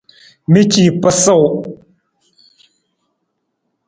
Mi ci pasuu.